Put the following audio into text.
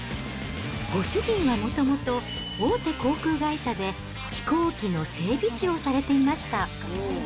ご主人はもともと、大手航空会社で、飛行機の整備士をされていました。